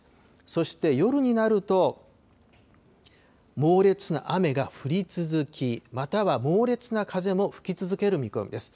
そして夜になると、猛烈な雨が降り続き、または猛烈な風も吹き続ける見込みです。